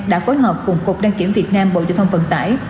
đã phối hợp cùng cục đăng kiểm việt nam bộ giao thông vận tải